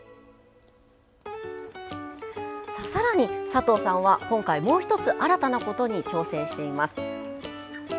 さらに、佐藤さんは今回もう１つ新たなことに挑戦しています。